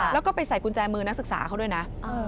แล้วก็ไปใส่กุญแจมือนักศึกษาเขาด้วยนะ